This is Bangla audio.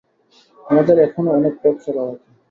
আমাদের এখনো অনেক পথ চলা বাকি।